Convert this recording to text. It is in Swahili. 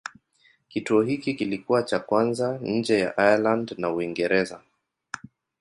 Kituo hiki kilikuwa cha kwanza nje ya Ireland na Uingereza.